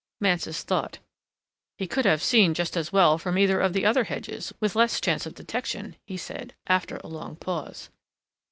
Mansus thought. "He could have seen just as well from either of the other hedges, with less chance of detection," he said, after a long pause.